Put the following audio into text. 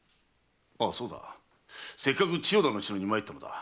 そうだせっかく千代田の城に参ったのだ。